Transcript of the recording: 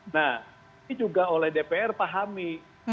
nah ini juga oleh dpr pahami